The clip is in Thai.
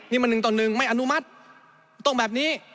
นี่มันหนึ่งต่อหนึ่งไม่อนุมัติต้องแบบนี้